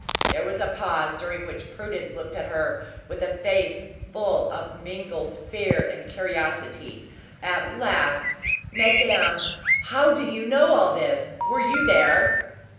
There was a pause, during which Prudence looked at her with a face full of mingled fear and curiosity. At last: "Madame, how do you know all this? Were you there?"